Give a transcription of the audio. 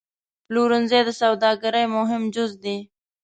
پلورنځی د سوداګرۍ مهم جز دی.